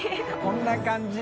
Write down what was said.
こんな感じ。